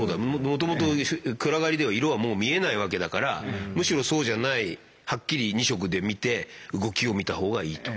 もともと暗がりでは色はもう見えないわけだからむしろそうじゃないはっきり２色で見て動きを見た方がいいと。